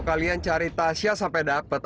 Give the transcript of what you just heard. kalian cari tasya sampai dapat